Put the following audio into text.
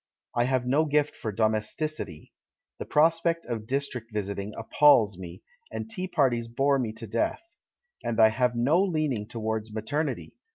I have no gift for domesticity; the prospect of district visiting appals me, and tea parties bore me to death. And I have no leaning towards maternity.